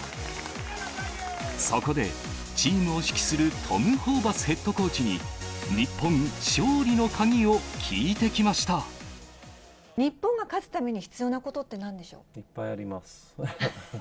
そこでチームを指揮するトム・ホーバスヘッドコーチに、日本が勝つために必要なこといっぱいあります。